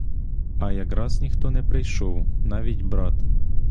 А якраз ніхто не прийшов, навіть брат.